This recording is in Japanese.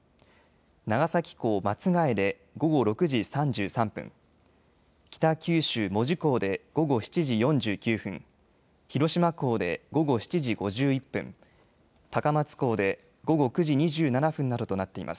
長崎港松が枝で午後６時３３分、北九州市門司港で午後７時４９分、広島港で午後７時５１分、高松港で午後９時２７分などとなっています。